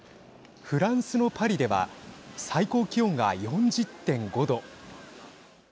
フランスのパリでは最高気温が４０．５度。